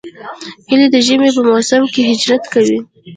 هیلۍ د ژمي په موسم کې هجرت کوي